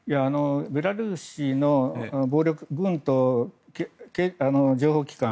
ベラルーシの軍と情報機関